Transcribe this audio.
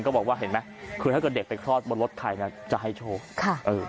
ก็บอกว่าเห็นไหมคือถ้าเกิดเด็กไปคลอดบนรถใครนะจะให้โชคค่ะเออ